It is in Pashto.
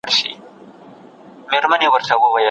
څنګه دي سجدې ته تر قدمه رسېدلی یم